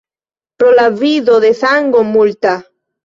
Pro la vido de sango multa.